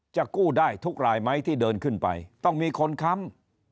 จะกู้ได้ทุกรายไหมที่เดินขึ้นไปต้องมีคนค้ำ